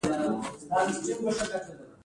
محمود هوډیال دمیرویس نیکه پوهنتون غوره محصل دی